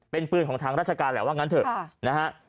เป็นปืนของทางราชการแหละว่างั้นเถอะนะฮะ